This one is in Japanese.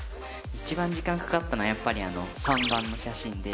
一番時間かかったのはやっぱりあの３番の写真で。